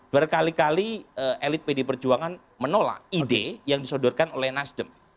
berkali kali elit pd perjuangan menolak ide yang disodorkan oleh nasdem